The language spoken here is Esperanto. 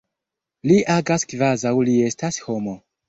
Li agas kvazaŭ li estas homo.